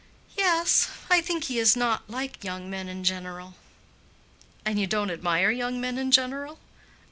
"Yes. I think he is not like young men in general." "And you don't admire young men in general?"